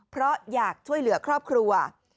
เพราะอยากช่วยเหลือครอบครัว